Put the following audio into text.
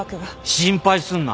心配すんな。